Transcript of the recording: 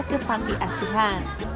ke panti asuhan